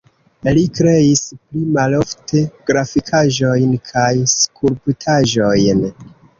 Li kreis pli malofte grafikaĵojn kaj skulptaĵojn.